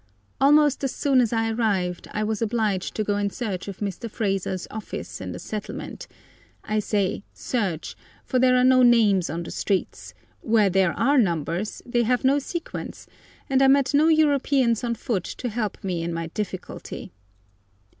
Almost as soon as I arrived I was obliged to go in search of Mr. Fraser's office in the settlement; I say search, for there are no names on the streets; where there are numbers they have no sequence, and I met no Europeans on foot to help me in my difficulty.